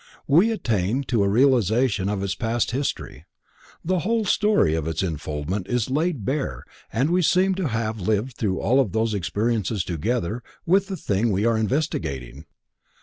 We attain to a realization of its past history; the whole story of its unfoldment is laid bare and we seem to have lived through all of those experiences together with the thing we are investigating.